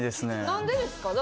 何でですか？